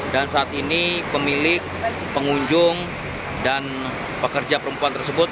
dan saat ini pemilik pengunjung dan pekerja perempuan tersebut